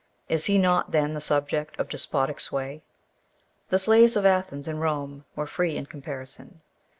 Is he not then the subject of despotic sway? "The slaves of Athens and Rome were free in comparison.